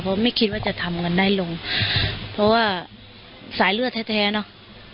เพราะไม่คิดว่าจะทำกันได้ลงเพราะว่าสายเลือดแท้แท้เนอะ